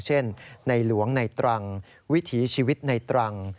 ในหลวงในตรังวิถีชีวิตในตรัง